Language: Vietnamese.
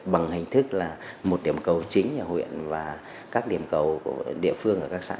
bằng hình thức là một điểm cầu chính là huyện và các điểm cầu của địa phương ở các xã